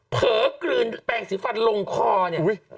เผลอกลืนแปลงสีฟันลงคอเนี่ย